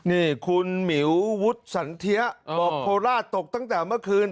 นี่คุณหมิววุฒิสันเทียบอกโคราชตกตั้งแต่เมื่อคืน